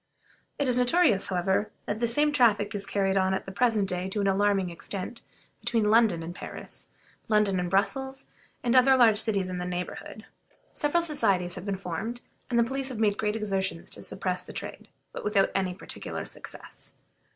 It is notorious, however, that the same traffic is carried on at the present day to an alarming extent between London and Paris, London and Brussels, and other large cities in the neighborhood. Several societies have been formed, and the police have made great exertions to suppress the trade, but without any particular success.